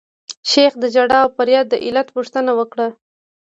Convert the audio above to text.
شیخ د ژړا او فریاد د علت پوښتنه وکړه.